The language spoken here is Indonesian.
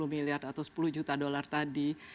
sepuluh miliar atau sepuluh juta dolar tadi